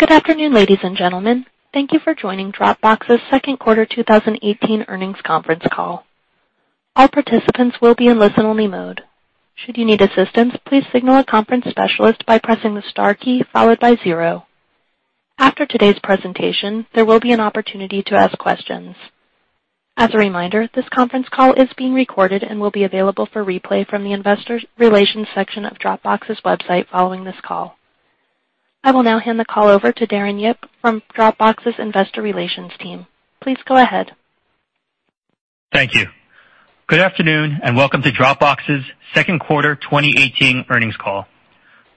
Good afternoon, ladies and gentlemen. Thank you for joining Dropbox's second quarter 2018 earnings conference call. All participants will be in listen-only mode. Should you need assistance, please signal a conference specialist by pressing the star key followed by zero. After today's presentation, there will be an opportunity to ask questions. As a reminder, this conference call is being recorded and will be available for replay from the investor relations section of Dropbox's website following this call. I will now hand the call over to Darren Yip from Dropbox's investor relations team. Please go ahead. Thank you. Good afternoon and welcome to Dropbox's second quarter 2018 earnings call.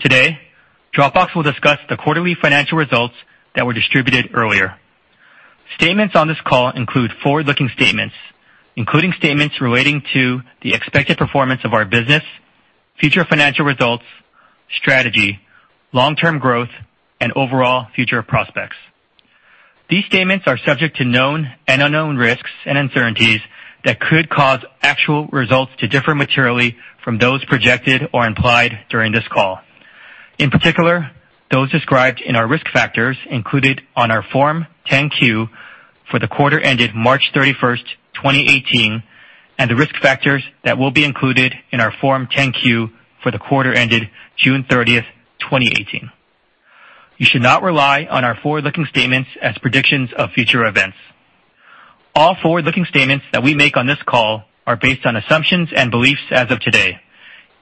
Today, Dropbox will discuss the quarterly financial results that were distributed earlier. Statements on this call include forward-looking statements, including statements relating to the expected performance of our business, future financial results, strategy, long-term growth, and overall future prospects. These statements are subject to known and unknown risks and uncertainties that could cause actual results to differ materially from those projected or implied during this call. In particular, those described in our risk factors included on our Form 10-Q for the quarter ended March 31st, 2018, and the risk factors that will be included in our Form 10-Q for the quarter ended June 30th, 2018. You should not rely on our forward-looking statements as predictions of future events. All forward-looking statements that we make on this call are based on assumptions and beliefs as of today,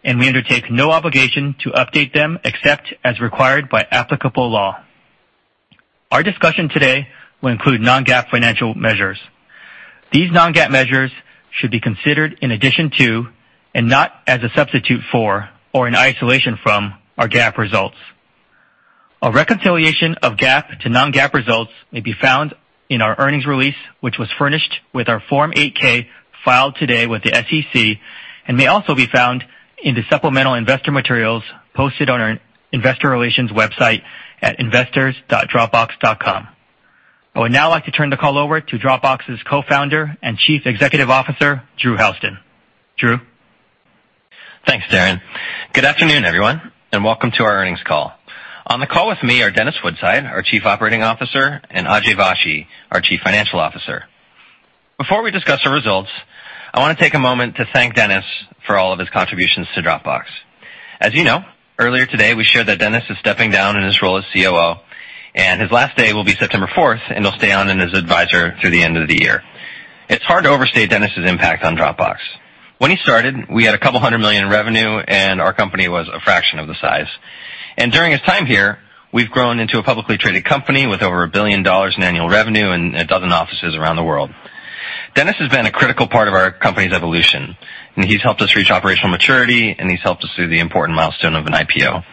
and we undertake no obligation to update them except as required by applicable law. Our discussion today will include non-GAAP financial measures. These non-GAAP measures should be considered in addition to, and not as a substitute for, or in isolation from, our GAAP results. A reconciliation of GAAP to non-GAAP results may be found in our earnings release, which was furnished with our Form 8-K filed today with the SEC and may also be found in the supplemental investor materials posted on our investor relations website at investors.dropbox.com. I would now like to turn the call over to Dropbox's co-founder and Chief Executive Officer, Drew Houston. Drew? Thanks, Darren. Good afternoon, everyone, and welcome to our earnings call. On the call with me are Dennis Woodside, our Chief Operating Officer, and Ajay Vashee, our Chief Financial Officer. Before we discuss our results, I want to take a moment to thank Dennis for all of his contributions to Dropbox. As you know, earlier today, we shared that Dennis is stepping down in his role as COO, and his last day will be September 4th, and he'll stay on as advisor through the end of the year. It's hard to overstate Dennis' impact on Dropbox. When he started, we had a couple hundred million in revenue, and our company was a fraction of the size. During his time here, we've grown into a publicly traded company with over $1 billion in annual revenue and a dozen offices around the world. Dennis has been a critical part of our company's evolution, and he's helped us reach operational maturity, and he's helped us through the important milestone of an IPO.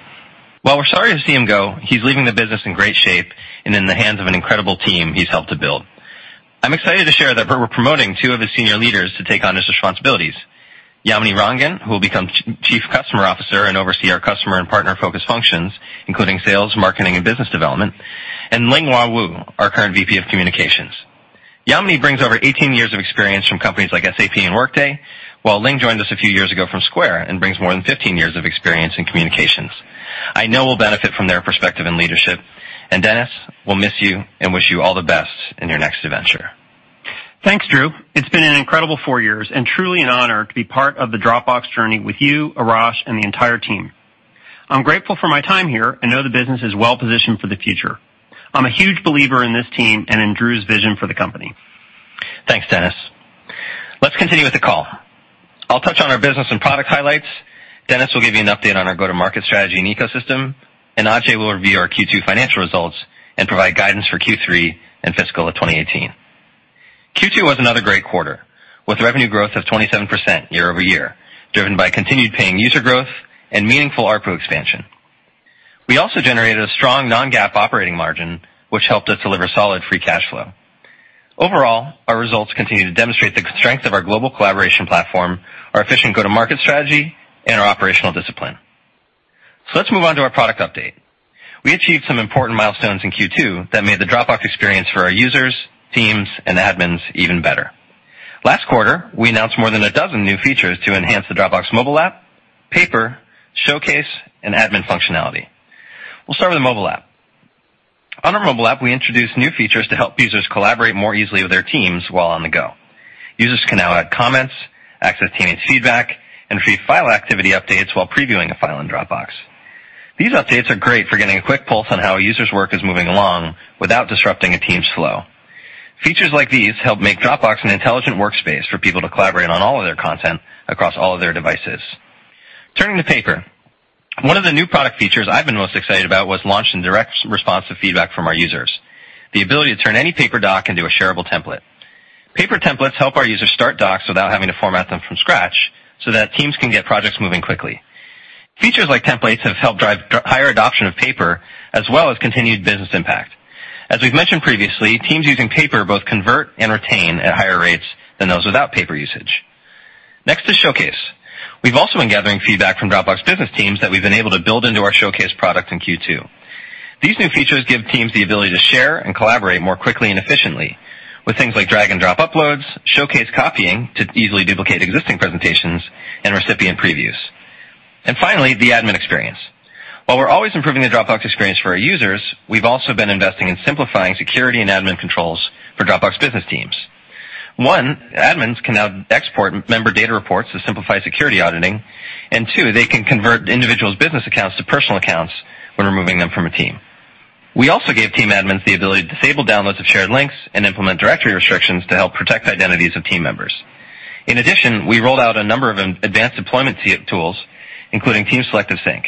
While we're sorry to see him go, he's leaving the business in great shape and in the hands of an incredible team he's helped to build. I'm excited to share that we're promoting two of his senior leaders to take on his responsibilities. Yamini Rangan, who will become Chief Customer Officer and oversee our customer and partner-focused functions, including sales, marketing, and business development, and Lin-Hua Wu, our current VP of Communications. Yamini brings over 18 years of experience from companies like SAP and Workday, while Ling joined us a few years ago from Square and brings more than 15 years of experience in communications. I know we'll benefit from their perspective and leadership. Dennis, we'll miss you and wish you all the best in your next adventure. Thanks, Drew. It's been an incredible four years and truly an honor to be part of the Dropbox journey with you, Arash, and the entire team. I'm grateful for my time here and know the business is well-positioned for the future. I'm a huge believer in this team and in Drew's vision for the company. Thanks, Dennis. Let's continue with the call. I'll touch on our business and product highlights. Dennis will give you an update on our go-to-market strategy and ecosystem, and Ajay will review our Q2 financial results and provide guidance for Q3 and fiscal 2018. Q2 was another great quarter, with revenue growth of 27% year-over-year, driven by continued paying user growth and meaningful ARPU expansion. We also generated a strong non-GAAP operating margin, which helped us deliver solid free cash flow. Overall, our results continue to demonstrate the strength of our global collaboration platform, our efficient go-to-market strategy, and our operational discipline. Let's move on to our product update. We achieved some important milestones in Q2 that made the Dropbox experience for our users, teams, and admins even better. Last quarter, we announced more than a dozen new features to enhance the Dropbox mobile app, Paper, Showcase, and admin functionality. We'll start with the mobile app. On our mobile app, we introduced new features to help users collaborate more easily with their teams while on the go. Users can now add comments, access teammate feedback, and view file activity updates while previewing a file in Dropbox. These updates are great for getting a quick pulse on how a user's work is moving along without disrupting a team's flow. Features like these help make Dropbox an intelligent workspace for people to collaborate on all of their content across all of their devices. Turning to Paper, one of the new product features I've been most excited about was launched in direct response to feedback from our users, the ability to turn any Paper doc into a shareable template. Paper templates help our users start docs without having to format them from scratch so that teams can get projects moving quickly. Features like templates have helped drive higher adoption of Paper, as well as continued business impact. As we've mentioned previously, teams using Paper both convert and retain at higher rates than those without Paper usage. Next is Showcase. We've also been gathering feedback from Dropbox Business teams that we've been able to build into our Showcase product in Q2. These new features give teams the ability to share and collaborate more quickly and efficiently with things like drag and drop uploads, Showcase copying to easily duplicate existing presentations, and recipient previews. Finally, the admin experience. While we're always improving the Dropbox experience for our users, we've also been investing in simplifying security and admin controls for Dropbox Business teams. One, admins can now export member data reports to simplify security auditing, and two, they can convert individuals' business accounts to personal accounts when removing them from a team. We also gave team admins the ability to disable downloads of shared links and implement directory restrictions to help protect identities of team members. We rolled out a number of advanced deployment tools, including Team selective sync.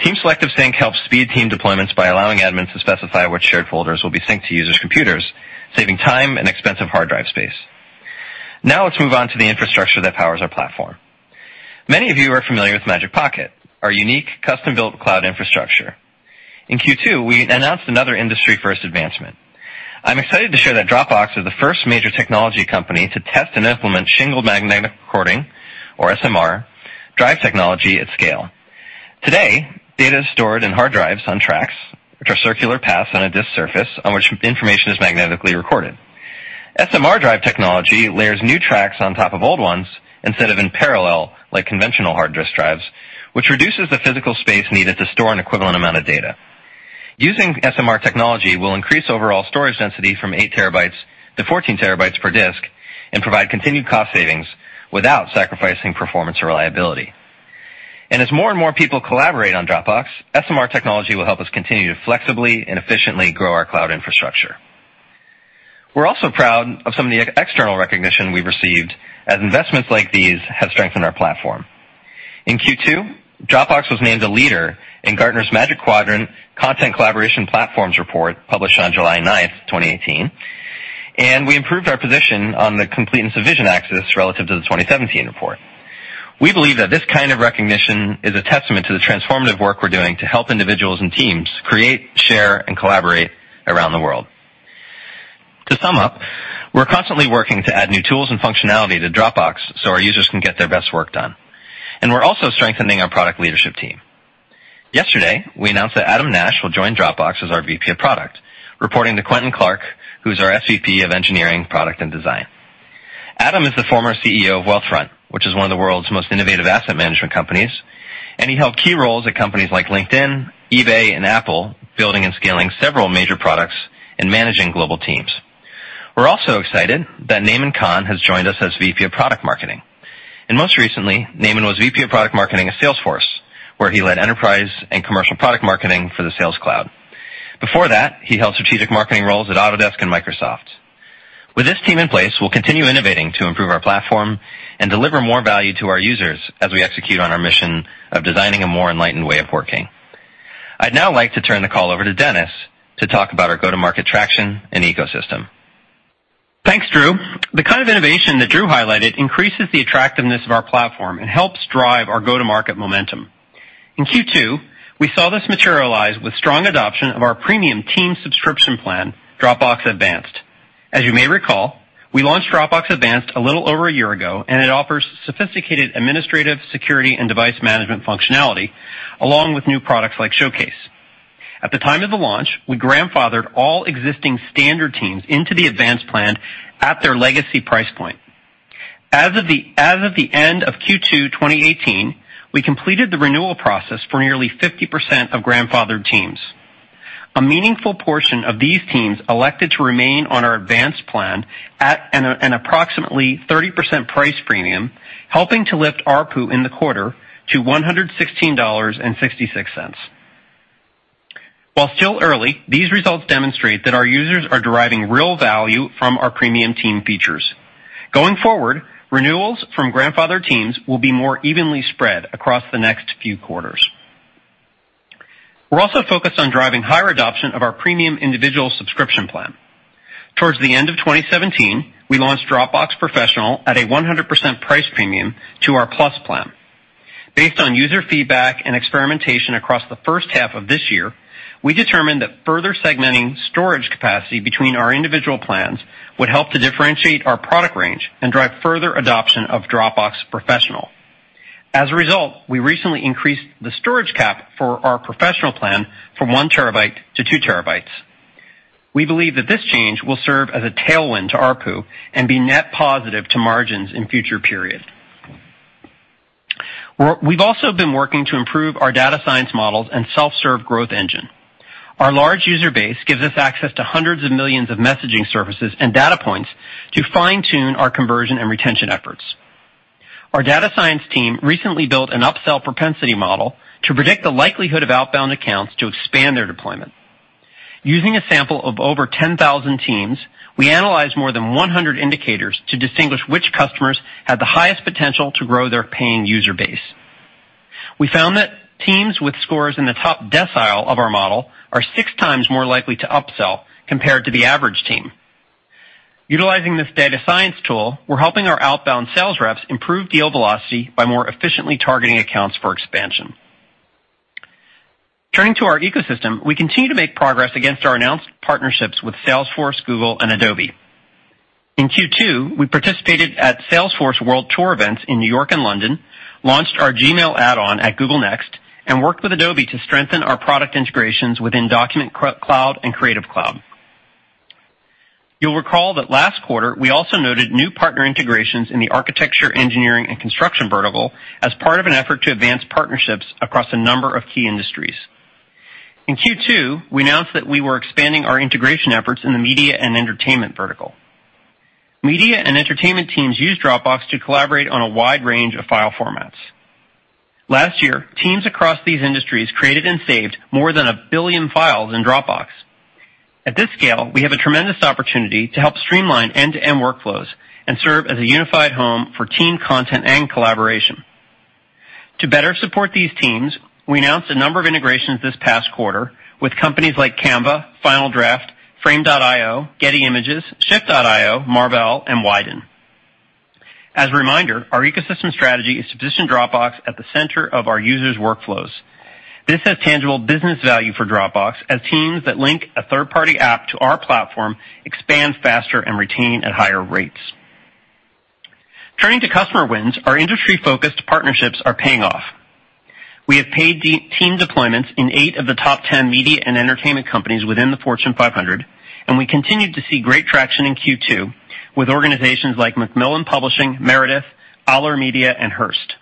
Team selective sync helps speed team deployments by allowing admins to specify which shared folders will be synced to users' computers, saving time and expensive hard drive space. Let's move on to the infrastructure that powers our platform. Many of you are familiar with Magic Pocket, our unique, custom-built cloud infrastructure. In Q2, we announced another industry-first advancement. I'm excited to share that Dropbox is the first major technology company to test and implement shingled magnetic recording, or SMR, drive technology at scale. Today, data is stored in hard drives on tracks, which are circular paths on a disk surface on which information is magnetically recorded. SMR drive technology layers new tracks on top of old ones instead of in parallel, like conventional hard disk drives, which reduces the physical space needed to store an equivalent amount of data. Using SMR technology will increase overall storage density from eight terabytes to 14 terabytes per disk and provide continued cost savings without sacrificing performance or reliability. As more and more people collaborate on Dropbox, SMR technology will help us continue to flexibly and efficiently grow our cloud infrastructure. We're also proud of some of the external recognition we've received, as investments like these have strengthened our platform. In Q2, Dropbox was named a leader in Gartner's Magic Quadrant for Content Collaboration Platforms report, published on July 9, 2018. We improved our position on the completeness of vision axis relative to the 2017 report. We believe that this kind of recognition is a testament to the transformative work we're doing to help individuals and teams create, share, and collaborate around the world. To sum up, we're constantly working to add new tools and functionality to Dropbox so our users can get their best work done. We're also strengthening our product leadership team. Yesterday, we announced that Adam Nash will join Dropbox as our VP of Product, reporting to Quentin Clark, who's our SVP of Engineering, Product, and Design. Adam is the former CEO of Wealthfront, which is one of the world's most innovative asset management companies. He held key roles at companies like LinkedIn, eBay, and Apple, building and scaling several major products and managing global teams. We're also excited that Naman Khan has joined us as VP of Product Marketing. Most recently, Naman was VP of Product Marketing at Salesforce, where he led enterprise and commercial product marketing for the Sales Cloud. Before that, he held strategic marketing roles at Autodesk and Microsoft. With this team in place, we'll continue innovating to improve our platform and deliver more value to our users as we execute on our mission of designing a more enlightened way of working. I'd now like to turn the call over to Dennis to talk about our go-to-market traction and ecosystem. Thanks, Drew. The kind of innovation that Drew highlighted increases the attractiveness of our platform and helps drive our go-to-market momentum. In Q2, we saw this materialize with strong adoption of our premium team subscription plan, Dropbox Advanced. As you may recall, we launched Dropbox Advanced a little over a year ago. It offers sophisticated administrative, security, and device management functionality, along with new products like Showcase. At the time of the launch, we grandfathered all existing standard teams into the Advanced plan at their legacy price point. As of the end of Q2 2018, we completed the renewal process for nearly 50% of grandfathered teams. A meaningful portion of these teams elected to remain on our Advanced plan at an approximately 30% price premium, helping to lift ARPU in the quarter to $116.66. While still early, these results demonstrate that our users are deriving real value from our premium team features. Going forward, renewals from grandfather teams will be more evenly spread across the next few quarters. We're also focused on driving higher adoption of our premium individual subscription plan. Towards the end of 2017, we launched Dropbox Professional at a 100% price premium to our Plus plan. Based on user feedback and experimentation across the first half of this year, we determined that further segmenting storage capacity between our individual plans would help to differentiate our product range and drive further adoption of Dropbox Professional. As a result, we recently increased the storage cap for our Professional plan from 1 terabyte to 2 terabytes. We believe that this change will serve as a tailwind to ARPU and be net positive to margins in future periods. We've also been working to improve our data science models and self-serve growth engine. Our large user base gives us access to hundreds of millions of messaging services and data points to fine-tune our conversion and retention efforts. Our data science team recently built an upsell propensity model to predict the likelihood of outbound accounts to expand their deployment. Using a sample of over 10,000 teams, we analyzed more than 100 indicators to distinguish which customers had the highest potential to grow their paying user base. We found that teams with scores in the top decile of our model are six times more likely to upsell compared to the average team. Utilizing this data science tool, we're helping our outbound sales reps improve deal velocity by more efficiently targeting accounts for expansion. Turning to our ecosystem, we continue to make progress against our announced partnerships with Salesforce, Google, and Adobe. In Q2, we participated at Salesforce World Tour events in New York and London, launched our Gmail add-on at Google Next, and worked with Adobe to strengthen our product integrations within Document Cloud and Creative Cloud. You'll recall that last quarter, we also noted new partner integrations in the architecture, engineering, and construction vertical as part of an effort to advance partnerships across a number of key industries. In Q2, we announced that we were expanding our integration efforts in the media and entertainment vertical. Media and entertainment teams use Dropbox to collaborate on a wide range of file formats. Last year, teams across these industries created and saved more than 1 billion files in Dropbox. At this scale, we have a tremendous opportunity to help streamline end-to-end workflows and serve as a unified home for team content and collaboration. To better support these teams, we announced a number of integrations this past quarter with companies like Canva, Final Draft, Frame.io, Getty Images, SHIFT, Marvel, and Widen. As a reminder, our ecosystem strategy is to position Dropbox at the center of our users' workflows. This has tangible business value for Dropbox, as teams that link a third-party app to our platform expand faster and retain at higher rates. Turning to customer wins, our industry-focused partnerships are paying off. We have paid team deployments in eight of the top 10 media and entertainment companies within the Fortune 500, and we continued to see great traction in Q2 with organizations like Macmillan Publishers, Meredith, Aller Media, and Hearst.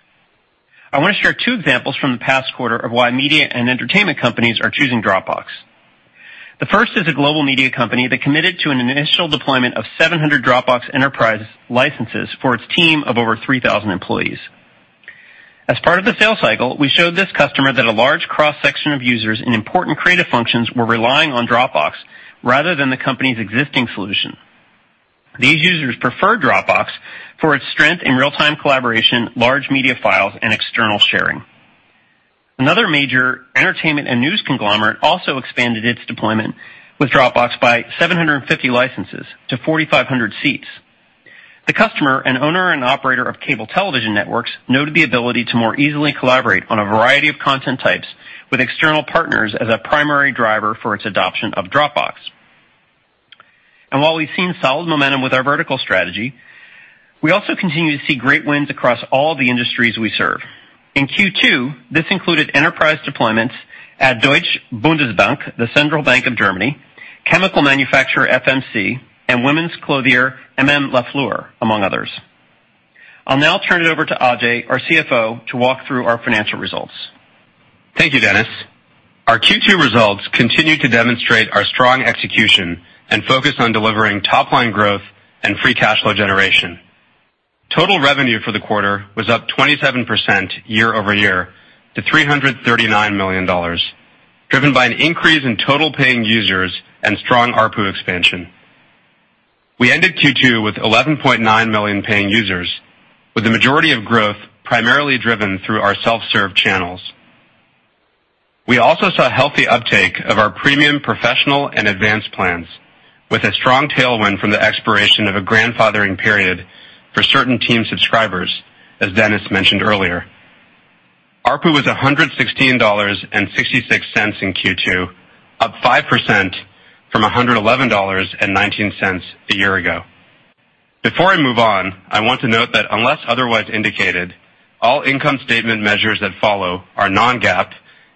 I want to share two examples from the past quarter of why media and entertainment companies are choosing Dropbox. The first is a global media company that committed to an initial deployment of 700 Dropbox Enterprise licenses for its team of over 3,000 employees. As part of the sales cycle, we showed this customer that a large cross-section of users in important creative functions were relying on Dropbox rather than the company's existing solution. These users prefer Dropbox for its strength in real-time collaboration, large media files, and external sharing. Another major entertainment and news conglomerate also expanded its deployment with Dropbox by 750 licenses to 4,500 seats. The customer, an owner and operator of cable television networks, noted the ability to more easily collaborate on a variety of content types with external partners as a primary driver for its adoption of Dropbox. While we've seen solid momentum with our vertical strategy, we also continue to see great wins across all the industries we serve. In Q2, this included enterprise deployments at Deutsche Bundesbank, the central bank of Germany, chemical manufacturer FMC, and women's clothier, MM.LaFleur, among others. I'll now turn it over to Ajay, our CFO, to walk through our financial results. Thank you, Dennis. Our Q2 results continue to demonstrate our strong execution and focus on delivering top-line growth and free cash flow generation. Total revenue for the quarter was up 27% year-over-year to $339 million, driven by an increase in total paying users and strong ARPU expansion. We ended Q2 with 11.9 million paying users, with the majority of growth primarily driven through our self-serve channels. We also saw healthy uptake of our premium, Professional, and Advanced plans, with a strong tailwind from the expiration of a grandfathering period for certain team subscribers, as Dennis mentioned earlier. ARPU was $116.66 in Q2, up 5% from $111.19 a year ago. Before I move on, I want to note that unless otherwise indicated, all income statement measures that follow are non-GAAP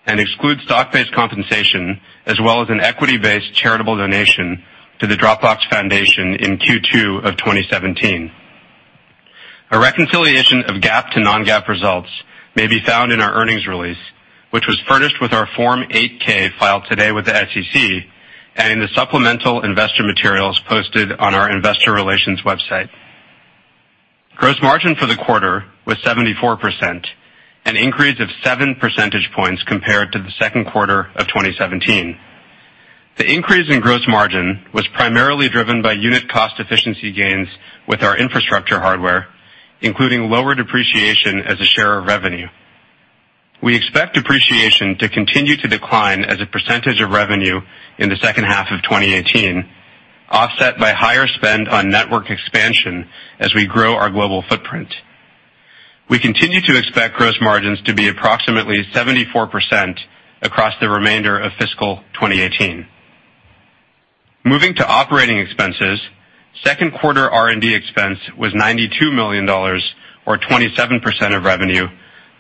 and exclude stock-based compensation as well as an equity-based charitable donation to the Dropbox Foundation in Q2 of 2017. A reconciliation of GAAP to non-GAAP results may be found in our earnings release, which was furnished with our Form 8-K filed today with the SEC and in the supplemental investor materials posted on our investor relations website. Gross margin for the quarter was 74%, an increase of seven percentage points compared to the second quarter of 2017. The increase in gross margin was primarily driven by unit cost efficiency gains with our infrastructure hardware, including lower depreciation as a share of revenue. We expect depreciation to continue to decline as a percentage of revenue in the second half of 2018, offset by higher spend on network expansion as we grow our global footprint. We continue to expect gross margins to be approximately 74% across the remainder of fiscal 2018. Moving to operating expenses, second quarter R&D expense was $92 million, or 27% of revenue,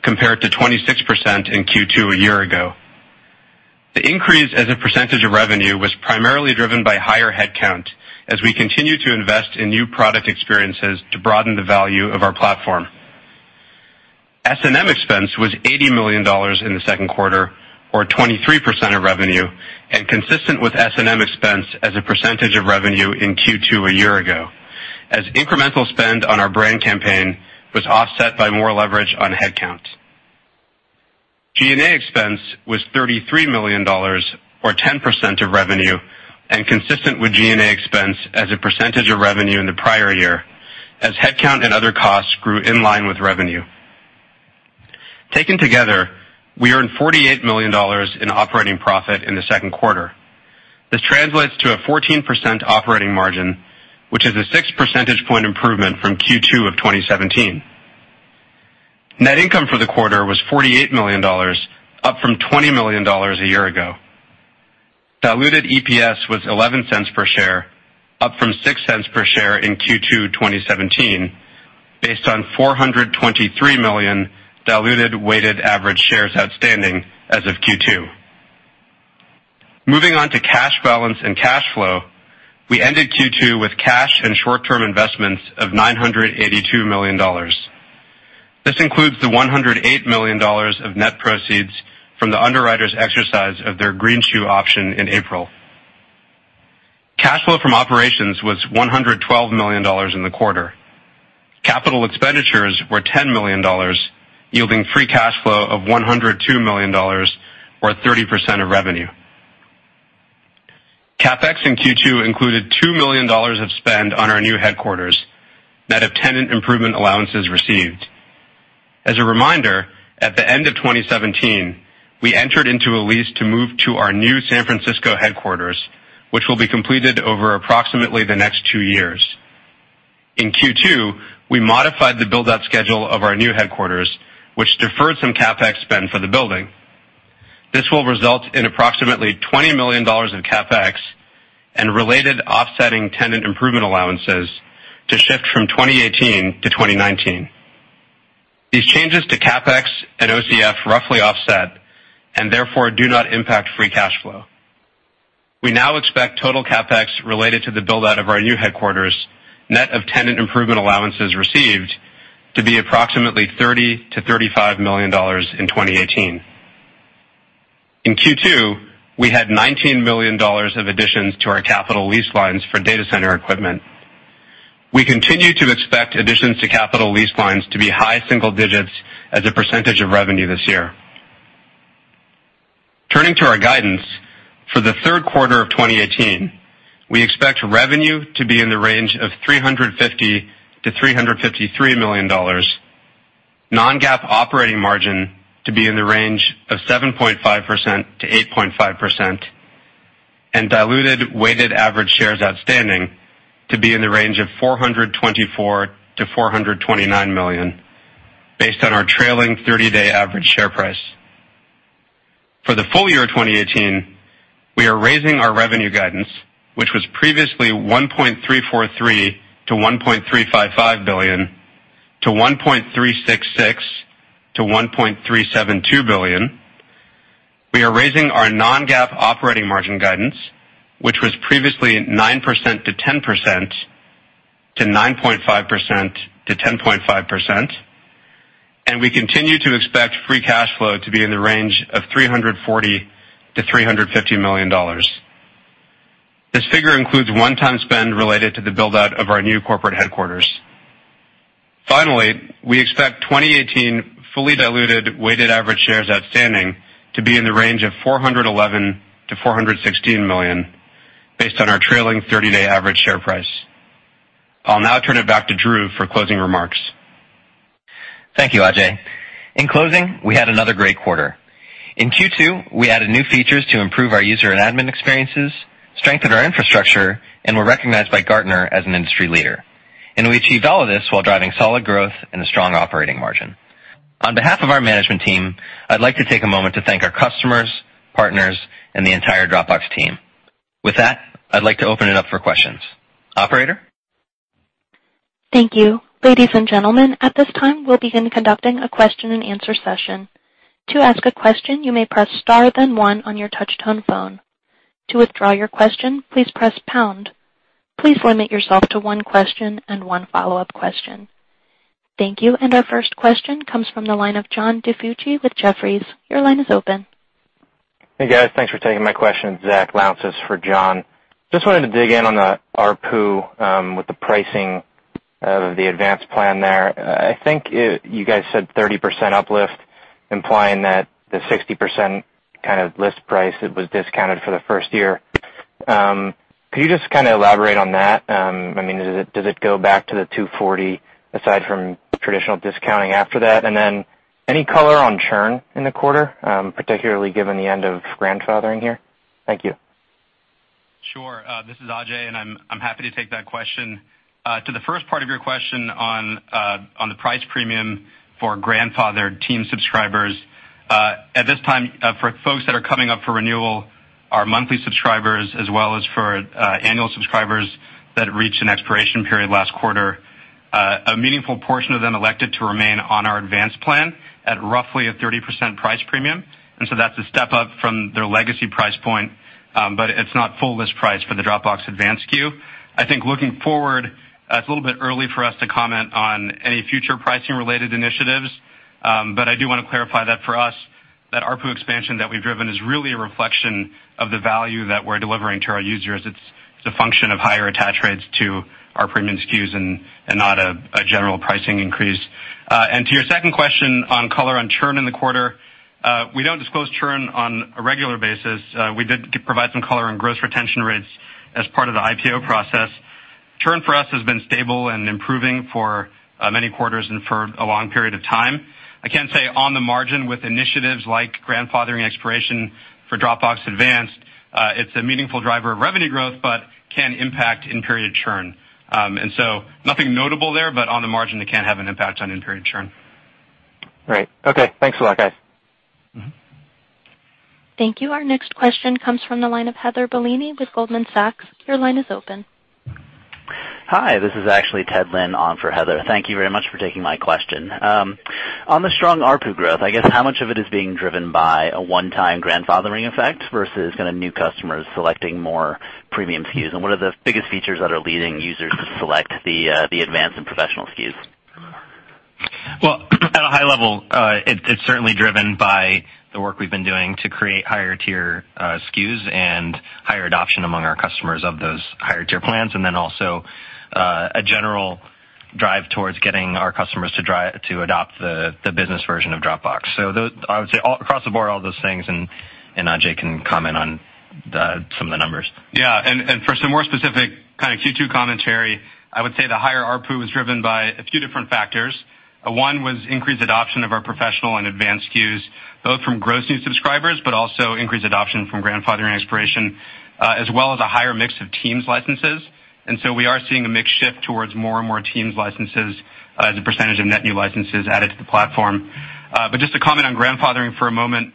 compared to 26% in Q2 a year ago. The increase as a percentage of revenue was primarily driven by higher headcount as we continue to invest in new product experiences to broaden the value of our platform. S&M expense was $80 million in the second quarter or 23% of revenue and consistent with S&M expense as a percentage of revenue in Q2 a year ago as incremental spend on our brand campaign was offset by more leverage on headcount. G&A expense was $33 million or 10% of revenue and consistent with G&A expense as a percentage of revenue in the prior year as headcount and other costs grew in line with revenue. Taken together, we earned $48 million in operating profit in the second quarter. This translates to a 14% operating margin, which is a six percentage point improvement from Q2 of 2017. Net income for the quarter was $48 million, up from $20 million a year ago. Diluted EPS was $0.11 per share, up from $0.06 per share in Q2 2017, based on 423 million diluted weighted average shares outstanding as of Q2. Moving on to cash balance and cash flow, we ended Q2 with cash and short-term investments of $982 million. This includes the $108 million of net proceeds from the underwriters' exercise of their greenshoe option in April. Cash flow from operations was $112 million in the quarter. Capital expenditures were $10 million, yielding free cash flow of $102 million or 30% of revenue. CapEx in Q2 included $2 million of spend on our new headquarters, net of tenant improvement allowances received. As a reminder, at the end of 2017, we entered into a lease to move to our new San Francisco headquarters, which will be completed over approximately the next two years. In Q2, we modified the build-out schedule of our new headquarters, which deferred some CapEx spend for the building. This will result in approximately $20 million in CapEx and related offsetting tenant improvement allowances to shift from 2018 to 2019. These changes to CapEx and OCF roughly offset, and therefore, do not impact free cash flow. We now expect total CapEx related to the build-out of our new headquarters, net of tenant improvement allowances received, to be approximately $30 million-$35 million in 2018. In Q2, we had $19 million of additions to our capital lease lines for data center equipment. We continue to expect additions to capital lease lines to be high single digits as a percentage of revenue this year. Turning to our guidance, for the third quarter of 2018, we expect revenue to be in the range of $350 million-$353 million, non-GAAP operating margin to be in the range of 7.5%-8.5%, and diluted weighted average shares outstanding to be in the range of 424 million-429 million, based on our trailing 30-day average share price. For the full year of 2018, we are raising our revenue guidance, which was previously $1.343 billion-$1.355 billion to $1.366 billion-$1.372 billion. We are raising our non-GAAP operating margin guidance, which was previously at 9%-10% to 9.5%-10.5%, and we continue to expect free cash flow to be in the range of $340 million-$350 million. This figure includes one-time spend related to the build-out of our new corporate headquarters. Finally, we expect 2018 fully diluted weighted average shares outstanding to be in the range of 411 million-416 million, based on our trailing 30-day average share price. I'll now turn it back to Drew for closing remarks. Thank you, Ajay. In closing, we had another great quarter. In Q2, we added new features to improve our user and admin experiences, strengthened our infrastructure, and were recognized by Gartner as an industry leader. We achieved all of this while driving solid growth and a strong operating margin. On behalf of our management team, I'd like to take a moment to thank our customers, partners, and the entire Dropbox team. With that, I'd like to open it up for questions. Operator? Thank you. Ladies and gentlemen, at this time, we'll begin conducting a question and answer session. To ask a question, you may press star then one on your touch-tone phone. To withdraw your question, please press pound. Please limit yourself to one question and one follow-up question. Thank you. Our first question comes from the line of John DiFucci with Jefferies. Your line is open. Hey, guys. Thanks for taking my question. Zach Lountzis for John. Just wanted to dig in on the ARPU, with the pricing of the Advanced plan there. I think you guys said 30% uplift, implying that the 60% kind of list price that was discounted for the first year. Can you just kind of elaborate on that? Does it go back to the $240 aside from traditional discounting after that? Any color on churn in the quarter, particularly given the end of grandfathering here? Thank you. Sure. This is Ajay. I'm happy to take that question. To the first part of your question on the price premium for grandfathered team subscribers. At this time, for folks that are coming up for renewal, our monthly subscribers, as well as for annual subscribers that reached an expiration period last quarter, a meaningful portion of them elected to remain on our Advanced plan at roughly a 30% price premium. That's a step up from their legacy price point, but it's not full list price for the Dropbox Advanced SKU. I think looking forward, it's a little bit early for us to comment on any future pricing-related initiatives. I do want to clarify that for us, that ARPU expansion that we've driven is really a reflection of the value that we're delivering to our users. It's a function of higher attach rates to our premium SKUs and not a general pricing increase. To your second question on color on churn in the quarter, we don't disclose churn on a regular basis. We did provide some color on gross retention rates as part of the IPO process. Churn for us has been stable and improving for many quarters and for a long period of time. I can say on the margin, with initiatives like grandfathering expiration for Dropbox Advanced It's a meaningful driver of revenue growth, but can impact in-period churn. Nothing notable there, but on the margin, it can have an impact on in-period churn. Great. Okay. Thanks a lot, guys. Thank you. Our next question comes from the line of Heather Bellini with Goldman Sachs. Your line is open. Hi. This is actually Ted Lin on for Heather. Thank you very much for taking my question. On the strong ARPU growth, I guess how much of it is being driven by a one-time grandfathering effect versus kind of new customers selecting more premium SKUs? What are the biggest features that are leading users to select the Advanced and Professional SKUs? Well, at a high level, it's certainly driven by the work we've been doing to create higher tier SKUs and higher adoption among our customers of those higher tier plans, also a general drive towards getting our customers to adopt the business version of Dropbox. I would say across the board, all those things, Ajay can comment on some of the numbers. Yeah. For some more specific kind of Q2 commentary, I would say the higher ARPU was driven by a few different factors. One was increased adoption of our Professional and Advanced SKUs, both from gross new subscribers, also increased adoption from grandfathering expiration, as well as a higher mix of teams licenses. We are seeing a mix shift towards more and more teams licenses as a percentage of net new licenses added to the platform. Just to comment on grandfathering for a moment,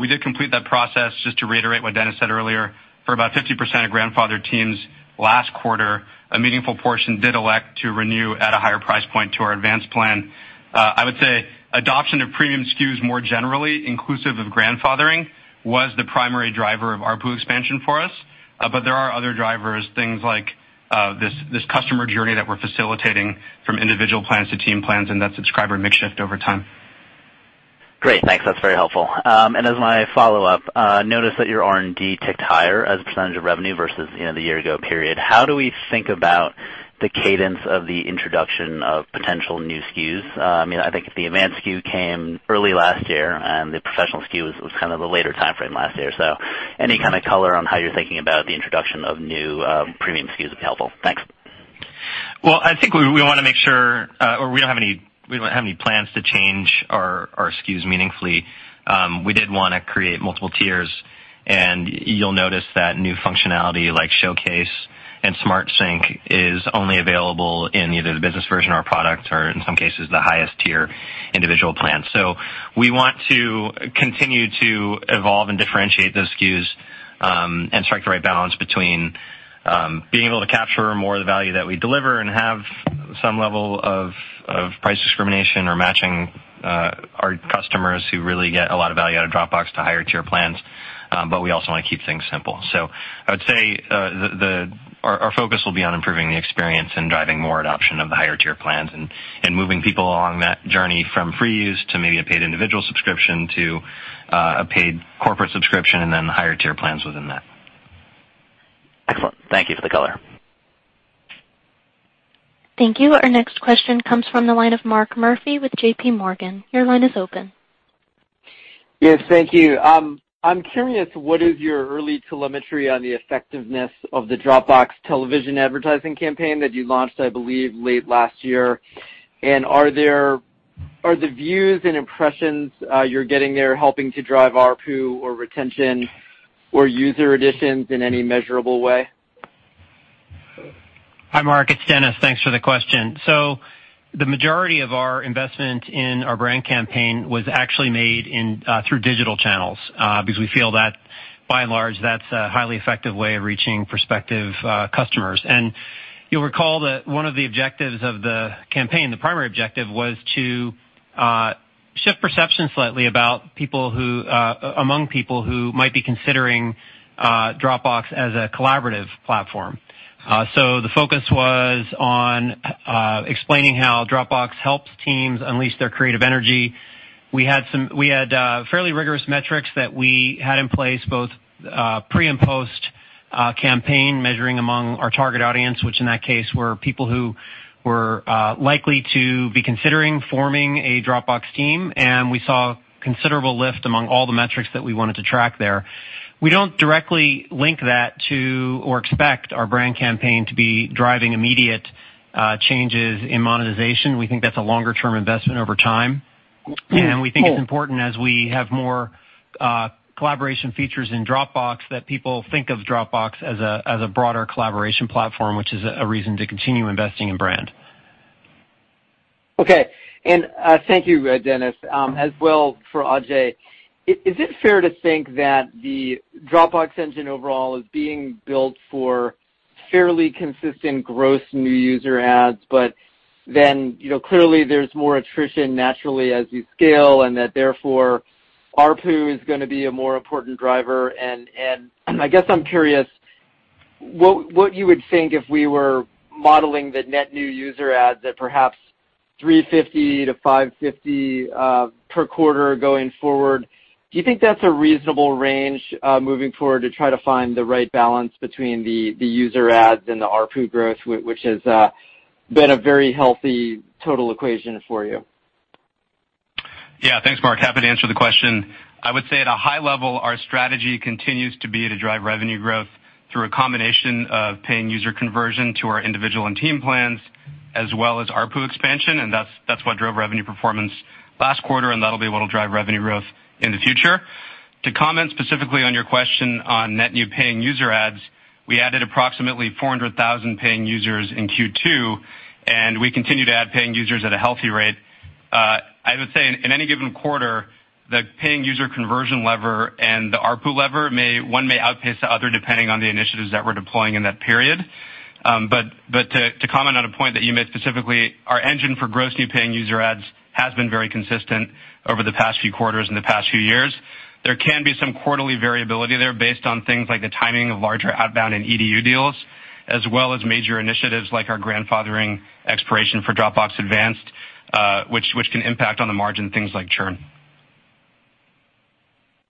we did complete that process, just to reiterate what Dennis said earlier, for about 50% of grandfather teams last quarter, a meaningful portion did elect to renew at a higher price point to our Advanced plan. I would say adoption of premium SKUs more generally, inclusive of grandfathering, was the primary driver of ARPU expansion for us. There are other drivers, things like this customer journey that we're facilitating from individual plans to team plans and that subscriber mix shift over time. Great. Thanks. That's very helpful. As my follow-up, noticed that your R&D ticked higher as a percentage of revenue versus the year ago period. How do we think about the cadence of the introduction of potential new SKUs? I think the Advanced SKU came early last year, and the Professional SKU was kind of a later timeframe last year. Any kind of color on how you're thinking about the introduction of new premium SKUs would be helpful. Thanks. Well, I think we don't have any plans to change our SKUs meaningfully. We did want to create multiple tiers, and you'll notice that new functionality like Showcase and Smart Sync is only available in either the Business version or product, or in some cases, the highest tier individual plan. We want to continue to evolve and differentiate those SKUs, and strike the right balance between being able to capture more of the value that we deliver and have some level of price discrimination or matching our customers who really get a lot of value out of Dropbox to higher tier plans. We also want to keep things simple. I would say our focus will be on improving the experience and driving more adoption of the higher tier plans, and moving people along that journey from free use to maybe a paid individual subscription to a paid corporate subscription, and then the higher tier plans within that. Excellent. Thank you for the color. Thank you. Our next question comes from the line of Mark Murphy with JPMorgan. Your line is open. Yes. Thank you. I'm curious, what is your early telemetry on the effectiveness of the Dropbox television advertising campaign that you launched, I believe, late last year? Are the views and impressions you're getting there helping to drive ARPU or retention or user additions in any measurable way? Hi, Mark. It's Dennis. Thanks for the question. The majority of our investment in our brand campaign was actually made through digital channels, because we feel that by and large, that's a highly effective way of reaching prospective customers. You'll recall that one of the objectives of the campaign, the primary objective, was to shift perception slightly among people who might be considering Dropbox as a collaborative platform. The focus was on explaining how Dropbox helps teams unleash their creative energy. We had fairly rigorous metrics that we had in place, both pre and post-campaign, measuring among our target audience, which in that case, were people who were likely to be considering forming a Dropbox team. We saw considerable lift among all the metrics that we wanted to track there. We don't directly link that to or expect our brand campaign to be driving immediate changes in monetization. We think that's a longer-term investment over time. We think it's important as we have more collaboration features in Dropbox, that people think of Dropbox as a broader collaboration platform, which is a reason to continue investing in brand. Okay. Thank you, Dennis. As well for Ajay, is it fair to think that the Dropbox engine overall is being built for fairly consistent gross new user adds, clearly there's more attrition naturally as you scale, that therefore ARPU is going to be a more important driver. I guess I'm curious what you would think if we were modeling the net new user adds at perhaps 350 to 550 per quarter going forward. Do you think that's a reasonable range moving forward to try to find the right balance between the user adds and the ARPU growth, which has been a very healthy total equation for you? Yeah. Thanks, Mark. Happy to answer the question. I would say at a high level, our strategy continues to be to drive revenue growth through a combination of paying user conversion to our individual and team plans As well as ARPU expansion, that's what drove revenue performance last quarter, that'll be what'll drive revenue growth in the future. To comment specifically on your question on net new paying user adds, we added approximately 400,000 paying users in Q2, we continue to add paying users at a healthy rate. I would say in any given quarter, the paying user conversion lever and the ARPU lever, one may outpace the other depending on the initiatives that we're deploying in that period. To comment on a point that you made specifically, our engine for gross new paying user adds has been very consistent over the past few quarters and the past few years. There can be some quarterly variability there based on things like the timing of larger outbound and EDU deals, as well as major initiatives like our grandfathering expiration for Dropbox Advanced, which can impact on the margin, things like churn.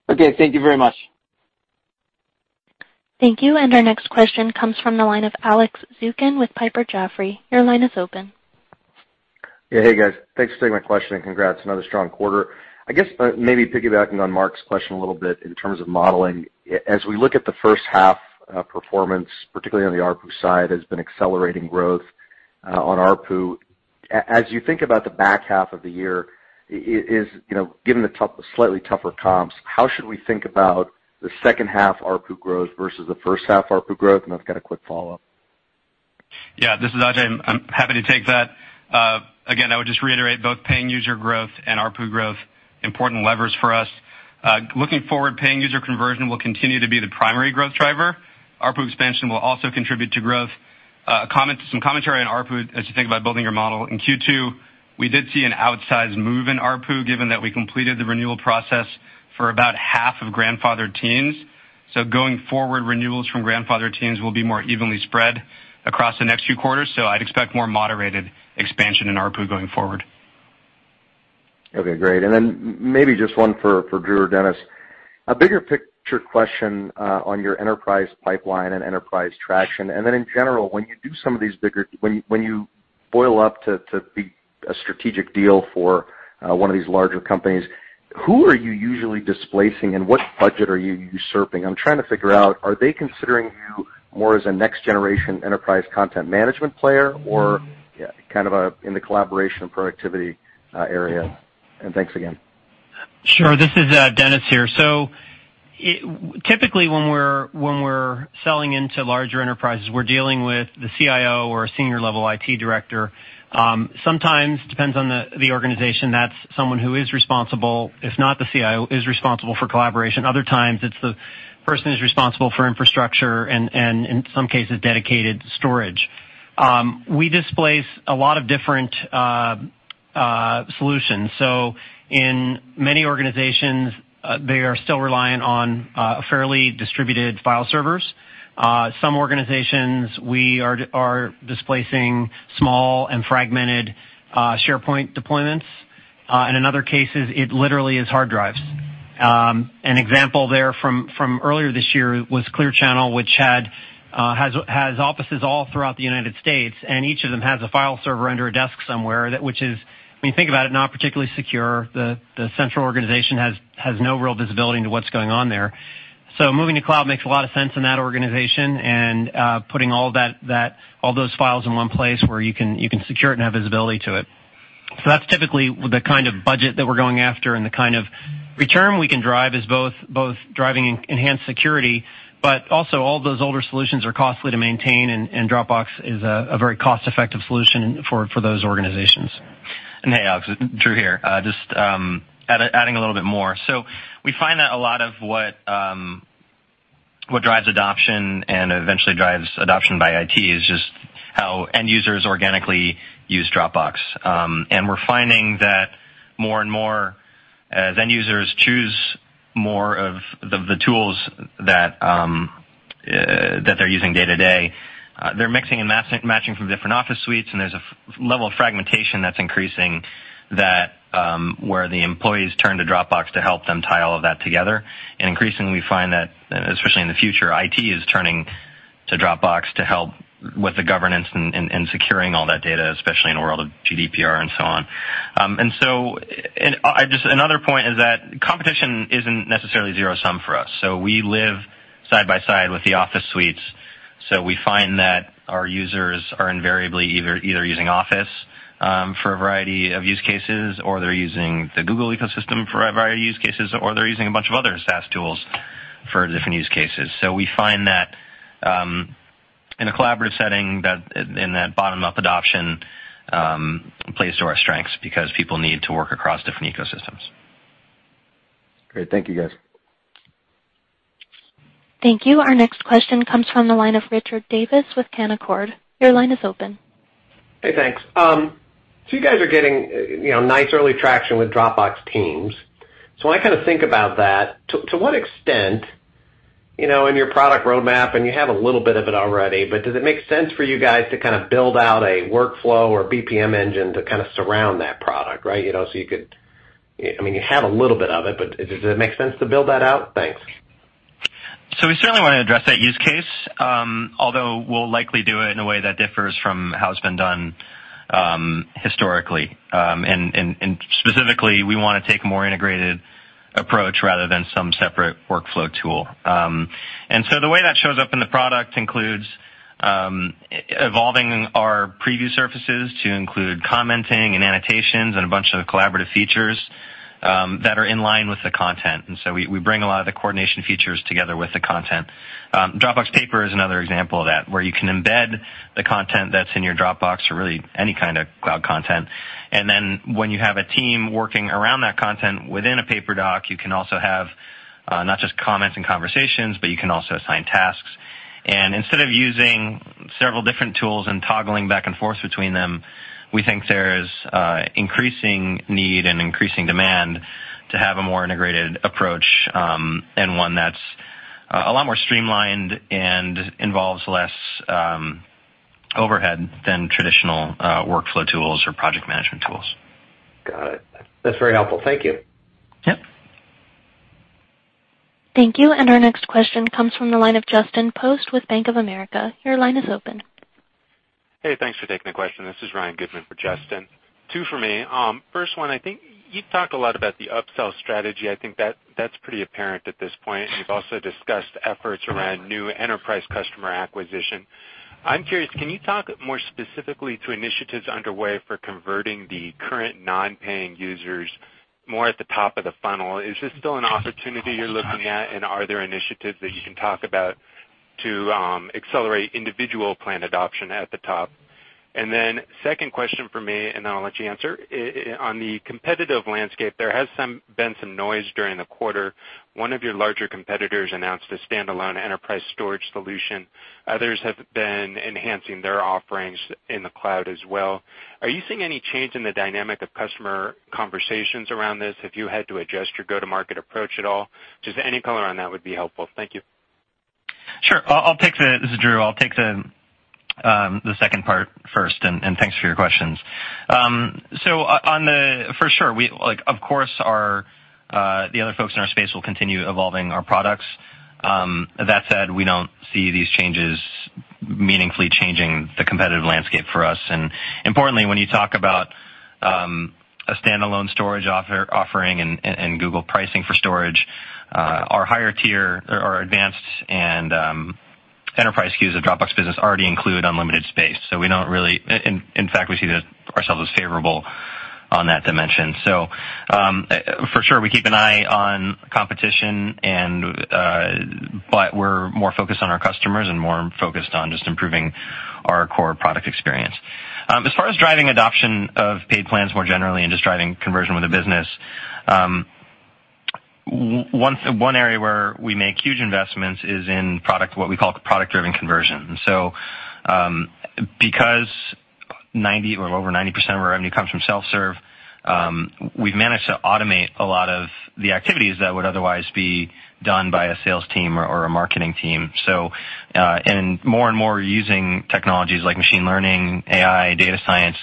Okay, thank you very much. Thank you. Our next question comes from the line of Alex Zukin with Piper Jaffray. Your line is open. Yeah. Hey, guys. Thanks for taking my question, and congrats, another strong quarter. I guess, maybe piggybacking on Mark's question a little bit in terms of modeling, as we look at the first half performance, particularly on the ARPU side, has been accelerating growth on ARPU. As you think about the back half of the year, given the slightly tougher comps, how should we think about the second half ARPU growth versus the first half ARPU growth? I've got a quick follow-up. Yeah, this is Ajay. I'm happy to take that. Again, I would just reiterate both paying user growth and ARPU growth, important levers for us. Looking forward, paying user conversion will continue to be the primary growth driver. ARPU expansion will also contribute to growth. Some commentary on ARPU as you think about building your model. In Q2, we did see an outsized move in ARPU, given that we completed the renewal process for about half of grandfathered teams. Going forward, renewals from grandfathered teams will be more evenly spread across the next few quarters. I'd expect more moderated expansion in ARPU going forward. Okay, great. Then maybe just one for Drew or Dennis. A bigger picture question on your enterprise pipeline and enterprise traction. Then in general, when you boil up to be a strategic deal for one of these larger companies, who are you usually displacing and what budget are you usurping? I'm trying to figure out, are they considering you more as a next generation enterprise content management player or kind of in the collaboration and productivity area? Thanks again. Sure. This is Dennis here. Typically, when we're selling into larger enterprises, we're dealing with the CIO or a senior level IT director. Sometimes, depends on the organization, that's someone who is responsible, if not the CIO, is responsible for collaboration. Other times, it's the person who's responsible for infrastructure and in some cases, dedicated storage. We displace a lot of different solutions. In many organizations, they are still reliant on fairly distributed file servers. Some organizations, we are displacing small and fragmented SharePoint deployments. In other cases, it literally is hard drives. An example there from earlier this year was Clear Channel, which has offices all throughout the U.S., and each of them has a file server under a desk somewhere, which is, when you think about it, not particularly secure. The central organization has no real visibility into what's going on there. Moving to cloud makes a lot of sense in that organization and putting all those files in one place where you can secure it and have visibility to it. That's typically the kind of budget that we're going after and the kind of return we can drive is both driving enhanced security, but also all those older solutions are costly to maintain, and Dropbox is a very cost-effective solution for those organizations. Hey, Alex, Drew here, just adding a little bit more. We find that a lot of what drives adoption and eventually drives adoption by IT is just how end users organically use Dropbox. We're finding that more and more as end users choose more of the tools that they're using day-to-day, they're mixing and matching from different Office suites, and there's a level of fragmentation that's increasing that where the employees turn to Dropbox to help them tie all of that together. Increasingly, we find that, especially in the future, IT is turning to Dropbox to help with the governance and securing all that data, especially in a world of GDPR and so on. Just another point is that competition isn't necessarily zero-sum for us. We live side by side with the Office suites. We find that our users are invariably either using Office for a variety of use cases, or they're using the Google ecosystem for a variety of use cases, or they're using a bunch of other SaaS tools for different use cases. We find that in a collaborative setting, in that bottom-up adoption plays to our strengths because people need to work across different ecosystems. Great. Thank you, guys. Thank you. Our next question comes from the line of Richard Davis with Canaccord. Your line is open. Hey, thanks. You guys are getting nice early traction with Dropbox Teams. When I kind of think about that, to what extent in your product roadmap, and you have a little bit of it already, but does it make sense for you guys to kind of build out a workflow or BPM engine to kind of surround that product? Right? You have a little bit of it, but does it make sense to build that out? Thanks. We certainly want to address that use case, although we'll likely do it in a way that differs from how it's been done historically. Specifically, we want to take a more integrated approach rather than some separate workflow tool. The way that shows up in the product includes evolving our preview surfaces to include commenting and annotations and a bunch of collaborative features that are in line with the content. We bring a lot of the coordination features together with the content. Dropbox Paper is another example of that, where you can embed the content that's in your Dropbox or really any kind of cloud content. When you have a team working around that content within a Paper doc, you can also have, not just comments and conversations, but you can also assign tasks. Instead of using several different tools and toggling back and forth between them, we think there's increasing need and increasing demand to have a more integrated approach, and one that's a lot more streamlined and involves less overhead than traditional workflow tools or project management tools. Got it. That's very helpful. Thank you. Yep. Thank you. Our next question comes from the line of Justin Post with Bank of America. Your line is open. Hey, thanks for taking the question. This is Ryan Goodman for Justin. Two for me. First one, I think you've talked a lot about the upsell strategy. I think that's pretty apparent at this point, and you've also discussed efforts around new enterprise customer acquisition. I'm curious, can you talk more specifically to initiatives underway for converting the current non-paying users more at the top of the funnel? Is this still an opportunity you're looking at, and are there initiatives that you can talk about to accelerate individual plan adoption at the top? Second question from me, and then I'll let you answer. On the competitive landscape, there has been some noise during the quarter. One of your larger competitors announced a standalone enterprise storage solution. Others have been enhancing their offerings in the cloud as well. Are you seeing any change in the dynamic of customer conversations around this? Have you had to adjust your go-to-market approach at all? Just any color on that would be helpful. Thank you. Sure. This is Drew Houston. I'll take the second part first, and thanks for your questions. For sure, of course, the other folks in our space will continue evolving our products. That said, we don't see these changes meaningfully changing the competitive landscape for us. Importantly, when you talk about a standalone storage offering and Google pricing for storage, our higher tier or advanced and enterprise SKUs of Dropbox Business already include unlimited space. In fact, we see ourselves as favorable on that dimension. For sure, we keep an eye on competition, but we're more focused on our customers and more focused on just improving our core product experience. As far as driving adoption of paid plans more generally and just driving conversion with the business, one area where we make huge investments is in what we call product-driven conversion. Because over 90% of our revenue comes from self-serve, we've managed to automate a lot of the activities that would otherwise be done by a sales team or a marketing team. More and more, we're using technologies like machine learning, AI, data science,